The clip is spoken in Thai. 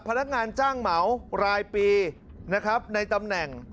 พนักงานจ้างเหมารายปีนะครับในตำแหน่ง